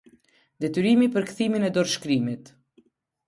Detyrimi për kthimin e dorëshkrimit.